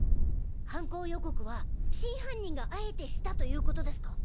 犯行予告は真犯人があえてしたということですか？